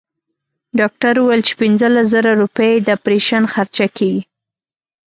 ډاکټر وويل چې پنځلس زره روپۍ يې د اپرېشن خرچه کيږي.